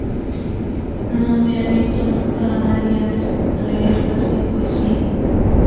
No había visto nunca a nadie antes leer así poesía.